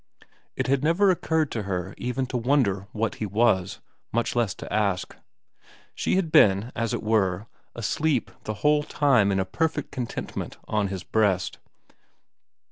It had never occurred to her even to wonder what he was, much less to ask. She had been, as it were, asleep the whole time in a perfect content ment on his breast.